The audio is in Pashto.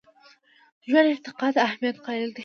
ژوند ارتقا ته اهمیت قایل دی.